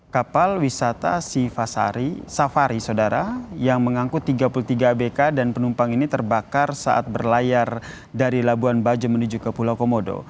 kapal wisata sifasari safari sodara yang mengangkut tiga puluh tiga abk dan penumpang ini terbakar saat berlayar dari labuan bajo menuju ke pulau komodo